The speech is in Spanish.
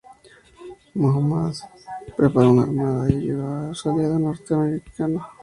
Muhammad preparó una armada y ayudó a su aliado norteafricano.